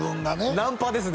ナンパですね